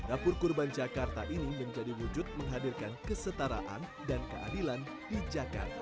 dapur kurban jakarta ini menjadi wujud menghadirkan kesetaraan dan keadilan di jakarta